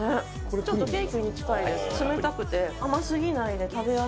ちょっとケーキに近いです。